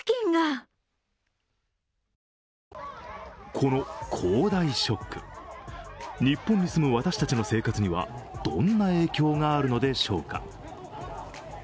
この恒大ショック、日本に住む私たちの生活にはどんな影響があるのでしょうか？